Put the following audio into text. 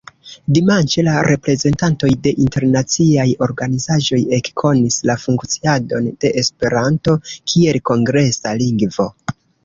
Dimanĉe la reprezentantoj de internaciaj organizaĵoj ekkonis la funkciadon de Esperanto kiel kongresa lingvo.